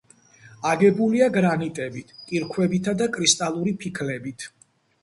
აგებულია გრანიტებით, კირქვებითა და კრისტალური ფიქლებით.